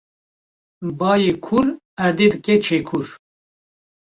Bayê kûr erdê dike çekûr